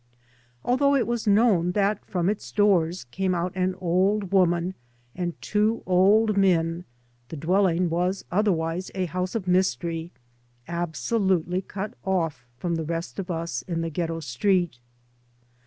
Although it was known that from its doors came out an old woman and two old men, the dwelling was otherwise a house of mystery, absolutely cut off from the rest of us in the ghetto street.